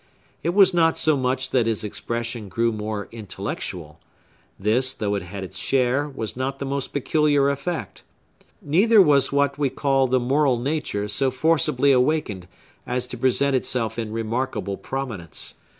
It was not so much that his expression grew more intellectual; this, though it had its share, was not the most peculiar effect. Neither was what we call the moral nature so forcibly awakened as to present itself in remarkable prominence.